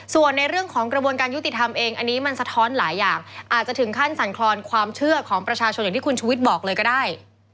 ส่วนในเรื่องของกระบวนการยุติธรรมเองอันนี้มันสะท้อนหลายอย่างอาจจะถึงขั้นสั่นคลอนความเชื่อของประชาชนอย่างที่คุณชุวิตบอกเลยก็ได้